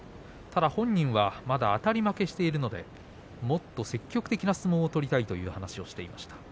本人は、まだあたり負けしているのでもっと積極的な相撲を取りたいということを話しています。